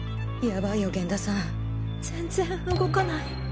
やばいよ源田さん。全然動かない。